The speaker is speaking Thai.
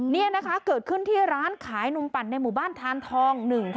นี่นะคะเกิดขึ้นที่ร้านขายนมปั่นในหมู่บ้านทานทอง๑๕